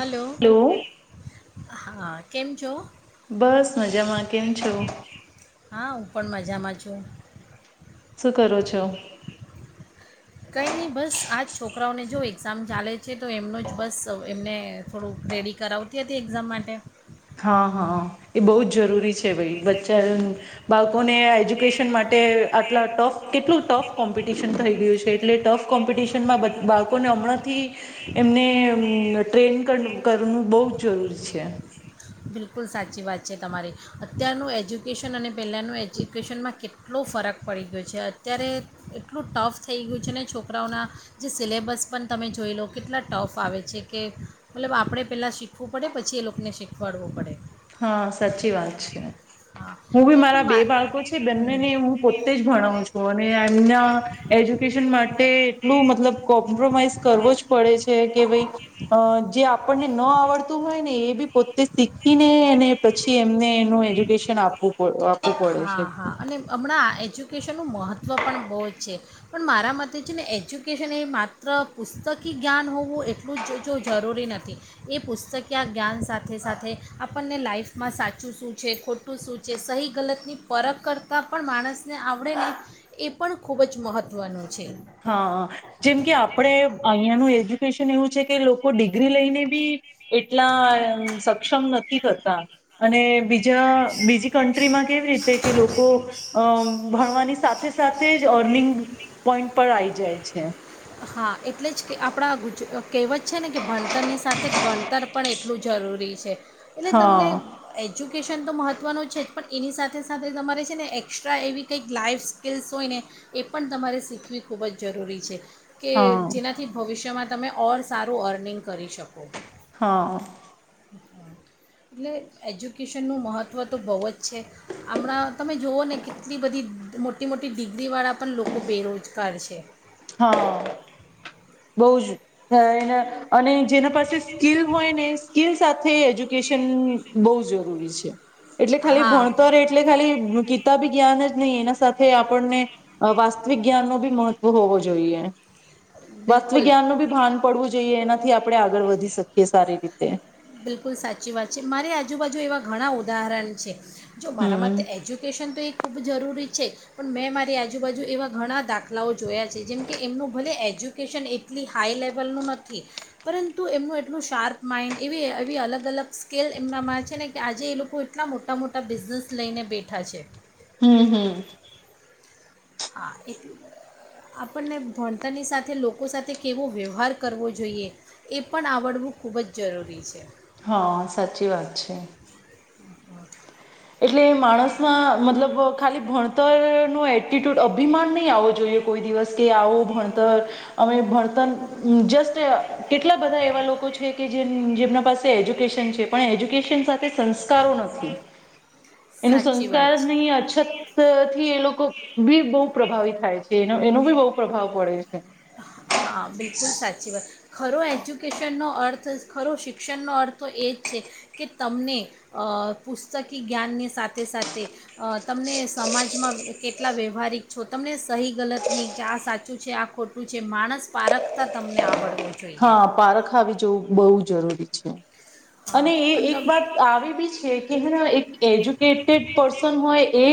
Hello. Hello હા કેમ છો? બસ મજામાં કેમ છું? હા હું પણ [inaudible] શું કરો છો? કંઈ નહીં બસ આ જ છોકરાઓને જો એક્ઝામ ચાલે છે તો એમનું જ બસ એમને થોડુંક રેડી કરાવતી હતી એક્ઝામ માટે. હા હા એ બહુ જ જરૂરી છે ભાઈ બચ્ચા બાળકોને એજ્યુકેશન માટે આટલા કેટલું ટફ કો ટિશન થઈ ગયું છે એટલે ટફ કોમ્પિટિશનમાં બાળકોને હમણાંથી એમને ટ્રેન કર કરવુ બઉ જ જરૂરી છે. બિલકુલ સાચી વાત છે તમારી અત્યારનું એજ્યુકેશન અને પહેલાંનું એજ્યુકેશનમાં કેટલો ફરક પડી ગયો છે અત્યારે એટલું ટફ થઈ ગયું છે ને છોકરાઓના જે સિલેબસ પણ તમે જોઈ લો કેટલા ટફ આવે છે કે મતલબ આપણે પહેલાં શીખવું પડે પછી એ લોકોને [unintelligible] હા સાચી વાત છે હા હું બી અને પણ મારા બે મા બાળકો છે હમ બંનેને હું પોતે જ ભણાવું છું અને એમના એજ્યુકેશન માટે એટલું મતલબ કોમ્પ્રોમાઈઝ કરવો જ પડે છે કે ભાઈ જે આપણને ન આવડતું હોય ને એ બી પોતે શીખીને પછી એમને એનું એજ્યુકેશન આપવું પડ હા હા અને હમણાં એજ્યુકેશનનું મહત્વ વ પણ બહુ જ છે પણ મારા મતે છે ને એજ્યુકેશન એ માત્ર પુસ્તકી જ્ઞાન હોવું એટલું જ જો જરૂરી નથી એ પુસ્તક આ જ્ઞાન સાથે સાથે આપણને લાઈફમાં સાચું શું છે ખોટું શું છે સહી ગલત ની પરરખ કરતાં પણ માણસને આવડે નેં એ પણ ખૂબ જ મહત્ત્વનું છે હા જેમ કે આપણે અહંયાનું એજ્યુકેશન એવું છે કે લોકો ડિગ્રી લઈને બી એટલા સક્ષમ નથી કરતા અને બીજ જ્યાં બીજી કન્ટ્રીમાં કેવી રીતે કે લોકો અમ ભણવાની સાથે સાથે જ અર્નિંગ પોઈન્ટ પણ આઈ જાય છે હા એટલે જ કે આપણા ગુજરા કહેવત છે ને કે ભણતર ની સાથે ગણતર પણ એ એટલું જરૂરી છે એટલે તમને હા એજ્યુકેશન શિક્ષણ તો મહત્ત્વનું છે જ પણ એની સાથે સાથે તમારે છે ને એક્સ્ટ્રા એવી કંઈક લાાઈફ સ્કિલ્લ્સ હોય ને એ પણ તમારે શીખવી ખૂબ જ જરૂરી છે કે હા જેનાથી ભવિષ્યમાં તમે ઓર સારું અર્નિંગ કરી શકો હા હ એટલે એજ્યુકેશનનું મહત્ત્વ તો બહુ જ છે હમણાં તમે જોુઓ ને કેટલી બધી મોટી મોટી ડિગ્રીવાળા પણ લોકો બેરોજગાર છે હા બહ જ એના અને જેના પાસે સ્કીિલ હોય ને સ્કીલ સાથે એજ્યુકેશન બહુ જરૂરી છે એટલે ખાલી હા ભણતર એટલે ખાલી ગીતા બી જ્ઞાન જ નહીં એના સાથે આપણને વાસ્તવિક જ્ઞાન ન બી મહત્વ હોવો જોઈએ વસ્તુ બિલકુલ વિજ્ઞાનનું બી ભાન પડવું જોઈએ એના થી આપણે આગળ વધી શકીએ સારી રીતે બિલકુલ સાચી વાત છે મારી આજુબાજુ એવા ઘણા ઉદાહરણ છે જો મારા હમ માટે એજ્યુકેશન તો એક ખૂબ જરૂરી છે પણ મેં મારી આજુબાજુ એવા ઘણા દાખલાઓ જોયા છે જેમ કે એમનો ભલે એજ્યુકેશન એટલી હાઈ લેવલનું નથી પરંતુ એમનું એટલું શાર્પ માઇન્ડ એવી એવી અલગ અલગ સ્કેલ એમનામાં છે ને કે આજે એ લોકો એટલા મોટા મોટા બિઝનેસ લઈને બેઠા છે હમ હમ હા એટલું આપણને ભણતરની સાથે લોકો સાથે કેવો વ્યવહાર કરવો જોઈએ એ પણ આવડવું ખૂબ જ જરૂરી છે હા સાચી વાત છે એટલે માણસના મતલબ ખાલી ભણતરનો એટિટ્યૂડ અભિમાન નહીં આવવો જોઈએ કોઈ દિવસ કે આવો ભણતર અમે ભણતર જસ્ટ કેટલા બધા એવા લોકો છે કે જે જેમના પાસે એજ્યુકેશન છે પણ એજ્યુકેશન સાથે સં એનું સાચી સંસ્કાર વાત છે નહી અછત થી એ લોકો બી બહ પ્રભાવી થાય છે એ એનો બી બહુ પ્રભાવ પડે છે હા બિલકુલ સાચી વાત ખરો એજ્યુકેશનનો અર્થ ખરો શિક્ષણનો અર્થ એ જ છે કે તમને પુસ્તકી જ્ઞાનની સાથે સાથે તમને સમાજમાં કેટલા વ્યવહારિક છો તમને સહી ગલત નહીં કે આ સાચું છે આ ખોટું ું છે માણસ પારખતા તમને આવડું હા પાર ખ આવી જવું બહુ જરૂરી [inaudible] હા અને એ એક તમ વાત આવી બી છે કેે એક એજ્યુકેટેડ પર્સન હોય એ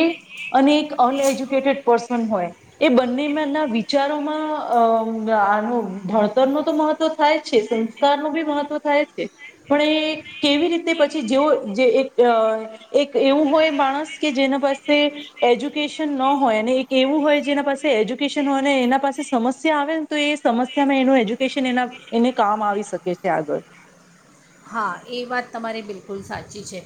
અને એક અનએજ્યુકેટેડ પર્સન હોય એ બંનેમાં ના વિચારોમાં અ આનો ભણતર ન તો મહત્વ થાય છે સંસ્કારનુંું બી મહત્વ થાય છે પણ એ કેવી રીતે પછી જે જે એક એક એવું હોય માણસ કે જેના પાસે એજ્યુકેશન ન હોય અને એક એવું હોય જેના પાસે એજ્યુકેશન હોય અને એના પાસે સમસ્યા આવેને તો એ સમસ્યામાં એનું એજ્યુકેશન એના એને કામ આવી શકે છે આગળ હા એ વાત તમારી બિલકુલ સાચી છે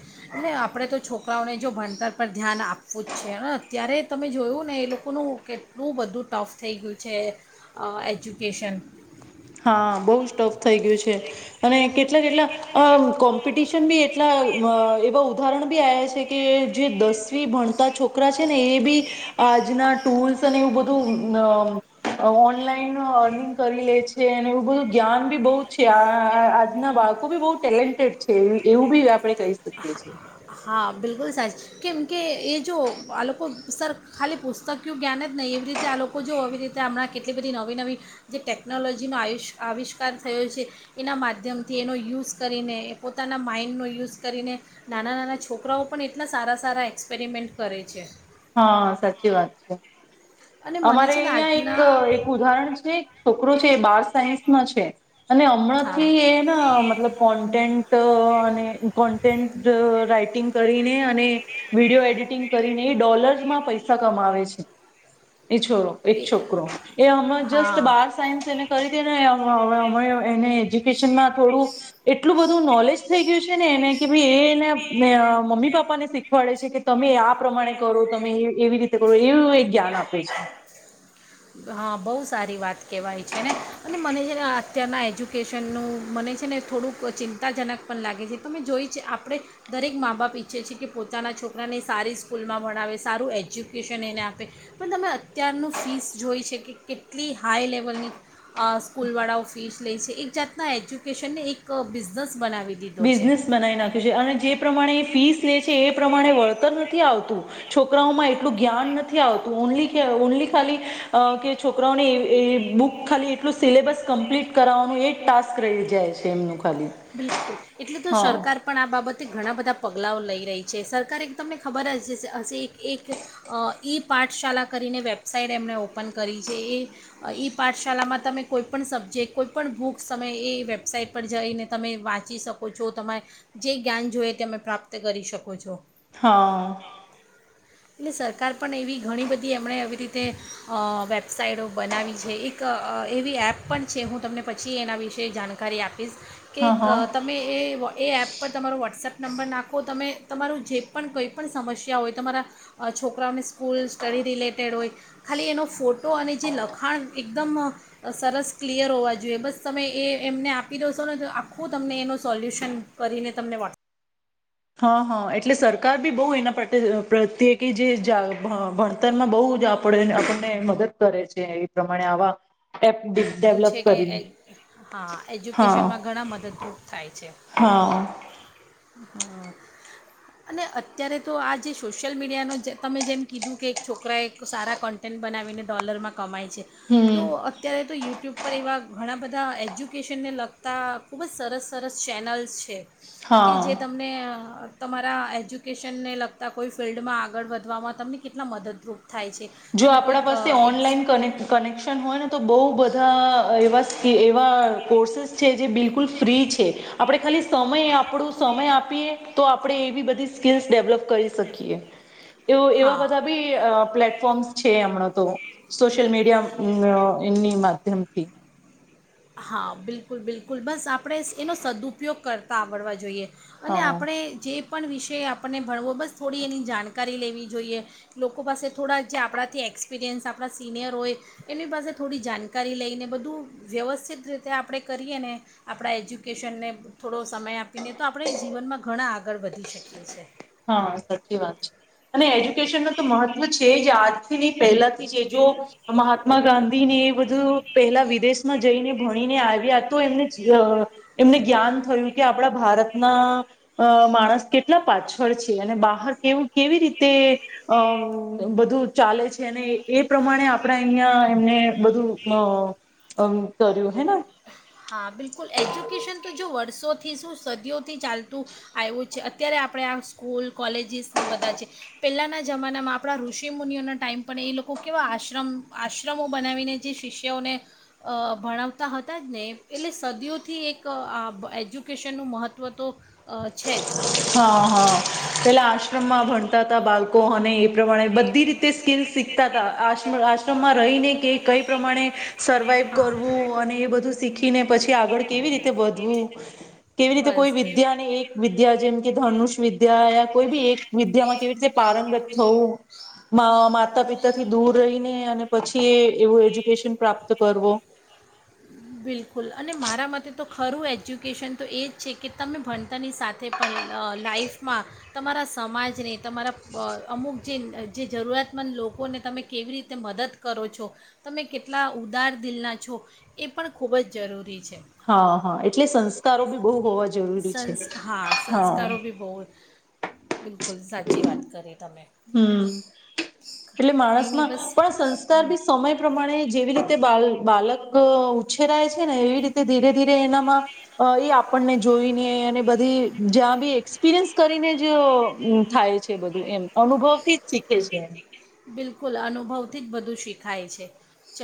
આપણે તો છોકરાઓને જો ભણતર પર ધ્યાન આપવું જ છે અત્યારે તમે જોયું ને એ લોકોનું કેટલું બધું ટફ થઈ ગયું છે એજ્યુકેશન હા બહુ સ્ટોફ થઈ ગયું છે અને કે એટ કેટલા કોમ્પિટિશન બી એટલા એવા ઉદાહરણ બી આવ્યા છે કે જે દસમ ભણતા છોકરા છે ને એ બી આજના ટૂલ્સ અને એવું બધું ઓનલાઈન અર્નિંગ કરી લે છે છે અને એવું બધું જ્ઞાન બી બહુ છે આજના બાળકો બી બહ ટેલેન્ટેડ છે એવું બી આપણે કહી શકીએ છેએ હા બિલકુલ સાચ કેમકે એ જો આ લોકો સર ખાલી પુસ્તકય જ્ઞાાન જ નહીં એવી રીતે આ લોકો જો આવી રીતે હમણાં કેટલી બધી નવી નવી જે ટેકનોલોજીનો આિષ આવિષ્કાર થયો છે એના માધ્યમથી એનો યુઝ કરીને એ પોતાના માઇન્ડનો યુઝ કરીને નાના નાના છોકરાઓ પણ એટલા સારા સારા એક્સપેરિમેન્ટ કરે છે હા સાચી વાત છે અને મને અમારે છે ને અહિયાં એક આજના એક ઉદાહરણ છે શોકરો બાર સાયન્સમાં છે અને હા હમણાંથી એના મતલબ કોન્ટેન્ટ અને કોન્ટેન્ટ રાઈટિંગ કરીને અને વિડીિયો એડિટિંગ કરીને એ ડોલર્સ માં પૈસા કમાવે છે એ છોરો એક એ છોકરો એ હમણા જસ્ટ હા બાર સાયન્સ એને કરી દ ને અ એને એજ્યુકેશનમાં થોડું એટલું બધું નોલેજ થઈ ગયું છે ને એને કે ભાઈ એને મમ્મી પપ્પા ને શીખવાડે છે કે તમે આ પ્રમાણે કરો તમે એવી રીતે કરો એવું એક જ્ઞાન આપે છે હા બહુ સારી વાત કહેવાય છે ને અને મને છે ને અત્યારના એજ્યુકેશનનું મને છે ને થોડુંક ચિંતાજનક પણ લાગે છે પણ મેં જોઈ છે આપણે દરેક મા બાપ ઈચ્છે છીએ કે પોતાના છોકરાને સારી સ્કૂલમાં ભણાવે સારું એજ્યુકેશન એને આપે પણ તમે અત્યારનું ફીસ જોઈ છે કે કેટલી હાઈ લેવલની સ્કૂલવાળાઓ ફીસ લે છે એક જાતના એજ્યુકેશનને એક બિઝનેસ બનાવી દીધો છે બિઝનેસ બનાવી નાખ્યું છે અને જે પ્રમાણે ફીસ લે છે એ એ પ્રમાણે વળતર નથી આવતું છોકરાઓમાં એટલું જ્ઞાન નથી આવતું ઓનલી ઓનલી ખાલી કે છોકરાઓને બુક ખાલી એટલું સિલેબસ કમ્પ્લીટ કરાવવાનું એ ટાસ્ક રહી જાય છે એમનું ખાલી બિલકુલ એટલે તો હા સરકાર પણ આ બાબતે ઘણા બધા પગલા લઈ રહી છે સરકારે એક તમને ખબર જ હ ઈ પાઠશાળા કરીને વેબસાઇટ એમણે ઓપન કરી છે એ ઈ પાઠશાળામાં તમે કોઈપણ સબ્જેક્ટ કોઈપણ બુક્સ તમે એ વેબસાઇટ પર જઈને તમે વાંચી શકો છો તમારે જે જ્ઞાન જોએ તે તમે પ્રાપ્ત કરી શકો છો હા એટલે સરકાર પણ એવી ઘણી બધી એમણે એવી રીતે વેબસાઇટો બનાવી છે એક એવી એપ પણ છે હું તમને પછી એના વિશેે જાણકારી આપીશ કે હા હા તમે એ વ એ એપ પર તમારોું વોટ્સએપ નંબર નાખો તમે તમારું જે પણ કોઈ પણ સમસ્યા હોય તમારા છોકરાઓને સ્કૂલ સ્ટડી રિલેટેડ હોય ખાલી એનો ફોટો અને જે લખાણ એકદમ સરસ ક્લિયર હોવા જોઈએ બસ તમે એ એમને આપી દો છો ને તો આખું તમને એનું સોલ્યુશન કરીને તમને વાટ હા હા એટલે સરકાર બી બહુ એના પ્રત્યે કે જે ભણતરમાં બહુ આપ આપણને મદદ કરે છે એ પ્રમાણે આવા એપ બધું છે ડેવલપ કે કરીને હા હા એજ્યુકેશનમાં ઘણા મદદરૂપ થાય છે હા હા અને અત્યારે તો આ જે સોશિયલ મીડિયાનો જે તમે જેમ કીધું કે એક છોકરાએ સારા કન્ટેન્ટ બનાવીને ડોલરમાં કમાય છે તો હમ અત્યારે યુટ્યુબ પર એવા ઘણા બધા એજ્યુકેશનને લગતાં ખૂબ જ સરસ સરસ ચેનલ્સ છે કે જે હા તમને તમારા એજ્યુકેશનને લગતાં કોઈ ફિલ્ડમાં આગળ વધવામાં તમને કેટલા મદદરૂપ થાય છે જો તમે આપણા કોઈક અ, પાસે એક ઓનલાઈન ક કનેક્શન હોય ને તો બહ બહુ બધા એવા કે એવા કોર્સેસ છે જે બિલકુલ ફ્રી છે આપણે ખાલી સમય આપણું સમય આપીએ તો આપણેે એવી બધી સ્કીલ્સ ડેવલપ કરી શકીએ એવ એવા હા બધા બી પ્લેટ ફોર્મ છે હમણા તો સોશિયલ મીડિયાની માધ્યમથી હા બિલકુલ બિલકુલ બસ આપણે એનો સદુપયોગ કરતાં આવડવા જોઈએ અને હા આપણે જે પણ વિષય આપણને ભણવો બસ થોડી એની જાણકારી લેવી જોઈએ લોકો પાસે થોડા જે આપણાથી એક્સપિરિયન્સ આપણા સિનિયર હોય એમની પાસે થોડી જાણકારી લઈને બધું વ્યવસ્થિત રીતે આપણે કરીએ ને આપણા એજ્યુકેશનને થોડો સમય આપીને તો આપણે જીવનમાં ઘણા આ આગળ વધી શકીએ છીએ હા સાચી વાત છે અને એજ્યુકેશન ન તો મહત્વ છે જ આજની પહેલાથી છે જો મહાત્મા ગાંધીને એ બધું પહેલા વિદેશમાં જઈને ભણીને આવ્યા તો એમને એમને જ્ઞાન થયું કે આપડા ભારતના માણસ કેટલા પાછો છે અને બહાર કેવું કેવી રીતે અ બધું ચાલે છે અને એ પ્રમાણે આપણે અહિયાંયા એમને બધું અ કર્યું હેના હા બિલકુલ એજ્યુકેશન તો જો વર્ષોથી થી શું સદીઓ થી ચાલતું આવ્યું છે અત્યારે આપણે આ સ્કૂલ કોલેજીસને બધા છે પહેલાંના જમાનામાં આપણા ઋષિ મુનિઓના ટાઈમ પણ એ લોકો કેવા આશ્રમ આશ્રમો બનાવીને જે શિષ્યઓને ભણાવતા હતા જ ને એ એટલે સદીઓથી એક આ એજ્યુકેશનનું મહત્ત્વ તો અ છે જ હા હા પેલા આ આ્રમમાં ભણતા બાળકો અને પ્રમાણે બધી રીતે સ્કીલ શીખ આ રાષ્ટ્રમાં રહીને કે કઈ પ્રમાણે સર્વાઈવ હા કરવું અને એ બધું શીખીને પછી આગળ કેવી રીતે વધવું કેવી રીતે બસ કોઈ વિદ્યા ને એક જેમ કે ધનુષ વિદ્યા કોઈ બી એક વિદ્યામાં કેવી રીતે પારંગત થવું માતા પિતાથી દૂર રહીને અને પછી એવું એજ્યુકેશન પ્રાપ્ત કરવો બિલકુલ અને મારા માટે તો ખરું એજ્યુકેશન તો એ જ છે કે તમે ભણતારની સાથે પણ લાાઈફમાં તમારા સમાજને તમારા અમુક જે જરૂરિયાતમંદ લોકોને તમે કેવી રીતે મદદ કરો છો તમે કેટલા ઉદાર દિલના છો એ પણ ખૂબ જ જરૂરી છે હા હા એટલે સંસ્કારો બી બહુ હોવા જો સંસ હા સંસ્કારો બી બહુ હમ બિલકુલ સાચી વાત કરી તમે હમ એટલે કંઈ નહીં માણસમાં બસ પણ સંસ્કાર હમ, બી સમય પ્રમાણે જેવી રીતે બાલક ઉછેરાય છે ને એવી રીતે ધીરે ધીરે એનામાં એ આપણને જોઈને અને બધી જ્યાં બી એક્સપિરિયન્સ કરીને જ થાય છે બધું એમ અનુભવ થી જ શીખે છે બિલકુલ અનુભવથી જ બધું શીખાય છે